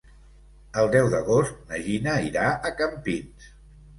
El deu d'agost na Gina irà a Campins.